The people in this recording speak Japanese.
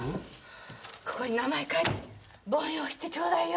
ここに名前書いて母印押してちょうだいよ。